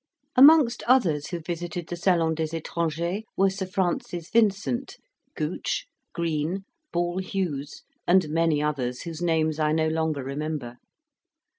Amonst others who visited the Salon des Etrangers were Sir Francis Vincent, Gooch, Green, Ball Hughes, and many others whose names I no longer remember.